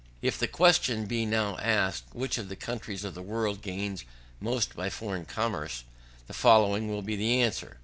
11. If the question be now asked, which of the countries of the world gains most by foreign commerce, the following will be the answer.